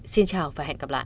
xin chào và hẹn gặp lại